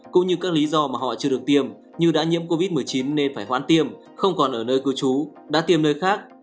cũng như các lý do mà họ chưa được tiêm như đã nhiễm covid một mươi chín nên phải hoãn tiêm không còn ở nơi cư trú đã tiêm nơi khác